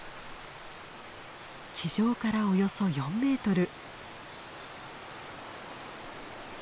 地上からおよそ４メートル。